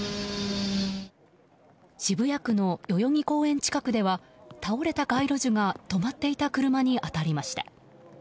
渋谷区の代々木公園近くでは倒れた街路樹が止まっていた車に当たりました。